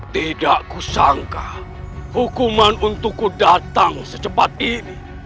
tidak kusangka hukuman untukku datang secepat ini